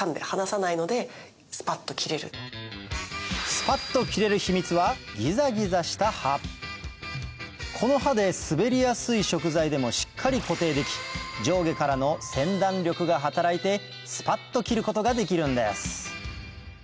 スパっと切れる秘密はこの刃で滑りやすい食材でもしっかり固定でき上下からのせん断力が働いてスパっと切ることができるんです